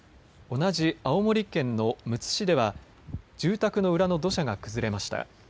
同じ青森県のむつ市では住宅の裏の土砂が崩れました。